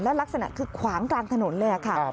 ลักษณะคือขวางกลางถนนเลยค่ะ